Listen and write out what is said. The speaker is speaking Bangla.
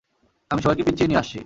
আমি সবাইকে পিছিয়ে নিয়ে আসছি।